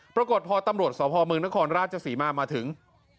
ปรากฏพอตำรวจสพเมืองนครราชศรีมามาถึง